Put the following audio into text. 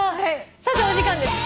さてお時間です。